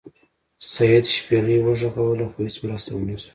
سید شپیلۍ وغږوله خو هیڅ مرسته ونه شوه.